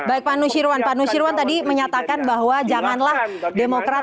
baik pak nusirwan pak nusirwan tadi menyatakan bahwa janganlah demokrat